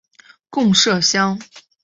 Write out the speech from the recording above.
贡麝香。